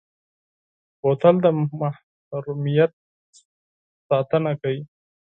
بوتل د محرمیت ساتنه کوي.